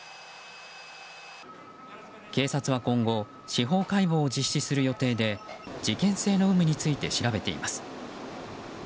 警察は今後、司法解剖を実施する予定で事件性の有無について調べています。